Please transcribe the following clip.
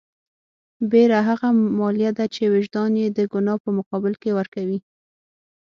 بېره هغه مالیه ده چې وجدان یې د ګناه په مقابل کې ورکوي.